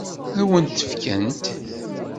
Ad wen-t-fkent?